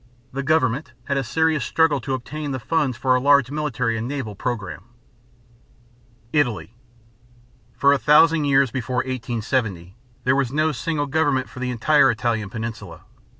The government had a serious struggle to obtain the funds for a large military and naval program. ITALY. For a thousand years before 1870 there was no single government for the entire Italian peninsula.